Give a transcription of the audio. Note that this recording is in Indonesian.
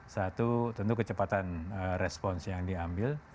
satu tentu kecepatan respons yang diambil